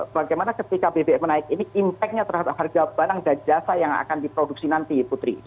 bagaimana ketika bbm menaik ini impact nya terhadap harga barang dan jasa yang akan diproduksi nanti putri